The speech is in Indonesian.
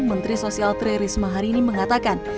menteri sosial tri risma hari ini mengatakan